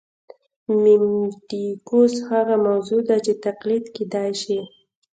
میمیټیکوس هغه موضوع ده چې تقلید کېدای شي